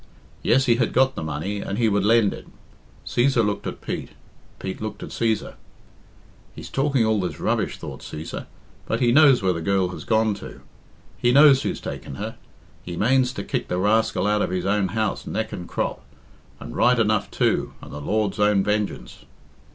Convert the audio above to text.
Yes, he had got the money, and he would lend it. Cæsar looked at Pete; Pete looked at Cæsar. "He's talking all this rubbish," thought Cæsar, "but he knows where the girl has gone to. He knows who's taken her; he manes to kick the rascal out of his own house neck and crop; and right enough, too, and the Lord's own vengeance."